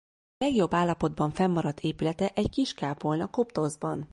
Legjobb állapotban fennmaradt épülete egy kis kápolna Koptoszban.